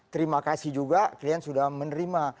terima kasih juga kalian sudah menerima